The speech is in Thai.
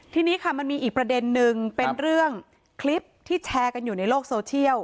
ทีนี้ค่ะมันมีอีกประเด็นนึงเป็นเรื่องคลิปที่แชร์กันอยู่ในโลกโซเชียล